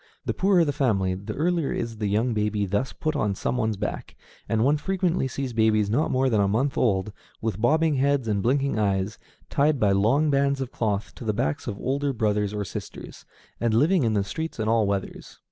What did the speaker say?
The poorer the family, the earlier is the young baby thus put on some one's back, and one frequently sees babies not more than a month old, with bobbing heads and blinking eyes, tied by long bands of cloth to the backs of older brothers or sisters, and living in the streets in all weathers.